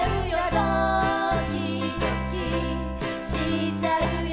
「ドキドキしちゃうよ」